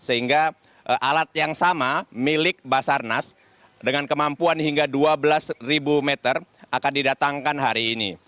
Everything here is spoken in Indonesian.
sehingga alat yang sama milik basarnas dengan kemampuan hingga dua belas meter akan didatangkan hari ini